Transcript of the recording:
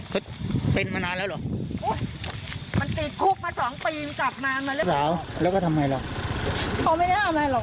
เขาเป็นอะไรเขาเข็บยาเขายังไม่เคยทำร้ายแต่เราก็กลัว